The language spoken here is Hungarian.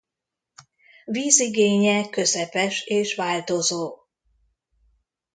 Vízigénye közepes és változó.